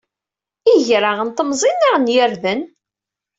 Iger-a n temẓin neɣ n yirden?